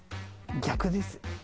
逆です。